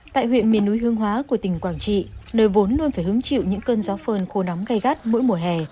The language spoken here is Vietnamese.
tại huyện miền núi hương hóa của tỉnh quảng trị nơi vốn luôn phải hứng chịu những cơn gió phơn khô nóng gây gắt mỗi mùa hè